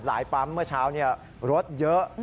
ปั๊มเมื่อเช้ารถเยอะ